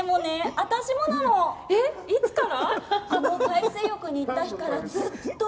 あの海水浴に行った日から、ずっと。